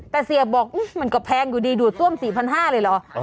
แต่เสียบอกมันก็แพงอยู่ดีดูดซ่วม๔๕๐๐เลยเหรอ